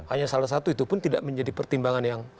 hanya salah satu itu pun tidak menjadi pertimbangan yang